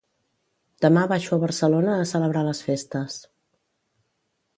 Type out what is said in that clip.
Demà baixo a Barcelona a celebrar les festes.